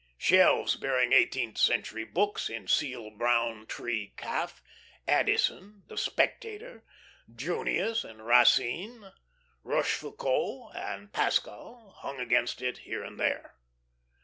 Shelves bearing eighteenth century books in seal brown tree calf Addison, the "Spectator," Junius and Racine, Rochefoucauld and Pascal hung against it here and there.